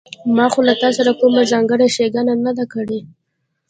ما خو له تاسره کومه ځانګړې ښېګڼه نه ده کړې